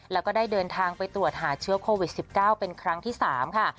แล้วก็ได้เดินทางไปตรวจหาเชื้อโควิด๑๙เป็นครั้งที่๓ค่ะ